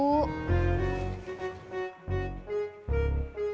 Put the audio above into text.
mertuanya bang ojek itu emak saya bu